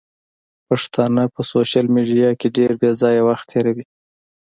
پښتانه په سوشل ميډيا کې ډېر بېځايه وخت تيروي.